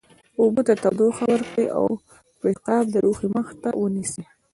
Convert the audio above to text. اوبو ته تودوخه ورکړئ او پیشقاب د لوښي مخ ته ونیسئ.